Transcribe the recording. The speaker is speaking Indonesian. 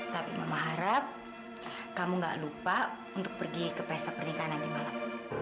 tapi mama harap kamu gak lupa untuk pergi ke pesta pernikahan nanti malam